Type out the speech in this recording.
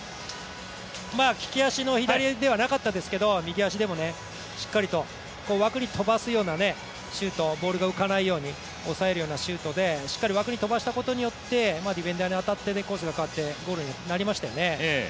利き足の左ではなかったですけど、右足でもしっかりと枠に飛ばすようなシュート、ボールが浮かないように、押さえるようなシュートでしっかり枠に飛ばしたことによって、ディフェンダーに当たってコースが代わってゴールになりましたよね。